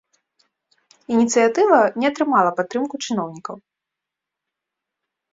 Ініцыятыва не атрымала падтрымку чыноўнікаў.